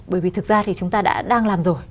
bởi vì thực ra thì chúng ta đã đang làm rồi